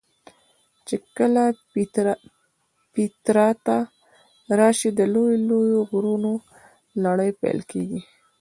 چې کله پیترا ته راشې د لویو لویو غرونو لړۍ پیل کېږي.